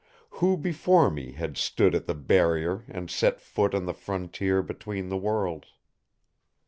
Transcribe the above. Who before me had stood at the Barrier and set foot on the Frontier between the worlds?